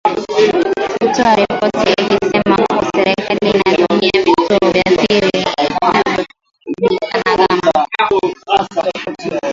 kutoa ripoti ikisema kuwa serikali inatumia vituo vya siri vinavyojulikana kama